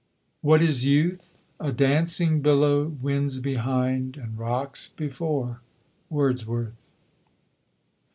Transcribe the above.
What is youth ? a dancing billow, Winds behind, and rocks before ! Wordsworth.